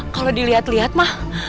kalau dilihat lihat mah